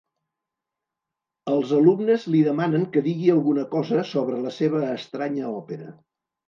Els alumnes li demanen que digui alguna cosa sobre la seva estranya òpera.